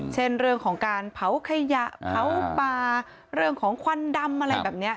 เช่นเรื่องของการเผาขยะเผาป่าเรื่องของควันดำอะไรแบบนี้